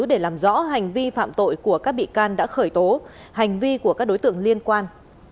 để làm rõ hành vi phạm tội của các bị can đã khởi tố hành vi của các đối tượng liên quan